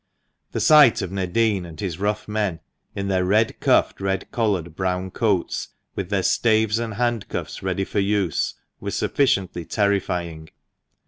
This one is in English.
The sight of Nadin and his rough men, in their red cuffed, red collared brown coats, with their staves and handcuffs ready for use, was sufficiently terrifying.